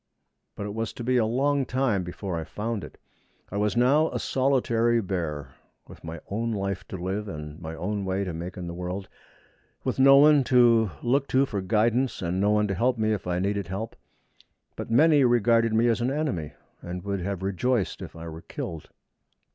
But it was to be a long time before I found it. I was now a solitary bear, with my own life to live and my own way to make in the world, with no one to look to for guidance and no one to help me if I needed help; but many regarded me as an enemy, and would have rejoiced if I were killed.